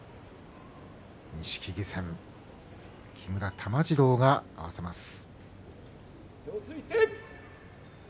錦木戦、木村玉治郎が合わせます。